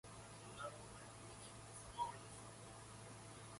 For instance, do you know why the testator disinherited you?